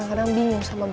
nih bang liman lah